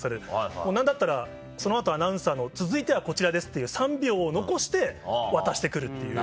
もう何だったらその後アナウンサーの「続いてはこちらです」っていう３秒を残して渡して来るっていう。